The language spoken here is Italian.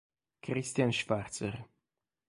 Christian Schwarzer